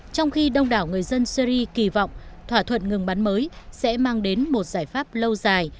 trong khi đông đảo người dân syri kỳ vọng thỏa thuận ngừng bắn mới sẽ mang đến một giải pháp lâu dài